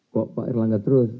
kok pak irlangga terus